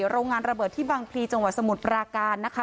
โรงงานระเบิดที่บางพลีจังหวัดสมุทรปราการนะคะ